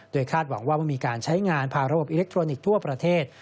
คาดหวังว่ามีการใช้งานผ่านระบบอิเล็กทรอนิกส์ทั่วประเทศ